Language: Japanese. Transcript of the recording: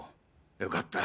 よかった！